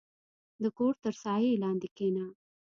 • د کور تر سایې لاندې کښېنه.